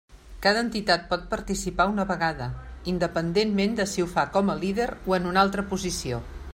Cada entitat pot participar una vegada, independentment de si ho fa com a líder o en una altra posició.